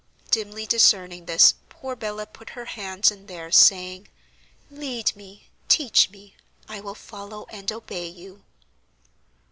Dimly discerning this, poor Bella put her hands in theirs, saying, "Lead me, teach me; I will follow and obey you."